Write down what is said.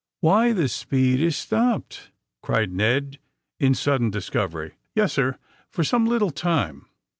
*^Why, the speed is stopped!" cried Ned, in sudden discovery. *^Yes, sir, for some little time."